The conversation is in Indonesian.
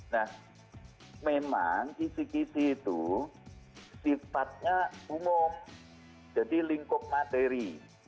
nah memang kisi kisi itu sifatnya umum jadi lingkup materi